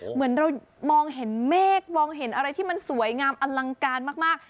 เหมือนเรามองเห็นเมฆมองเห็นอะไรที่มันสวยงามอลังการมาก